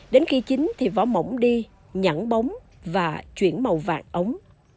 đến khi chín thì vỏ mỏng đi nhẵn bóng và chuyển màu vàng ống